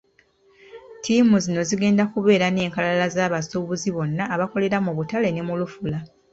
Ttiimu zino zigenda kubeera n'enkalala z'abasuubuzi bonna abakolera mu butale ne Lufula